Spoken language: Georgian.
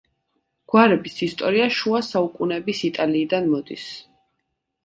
გვარების ისტორია შუა საუკუნეების იტალიიდან მოდის.